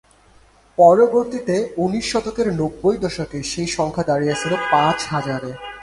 পরবর্তিতে উনিশ শতকের নব্বই দশকে সে সংখ্যা দাঁড়িয়ে ছিল পাঁচ হাজারে।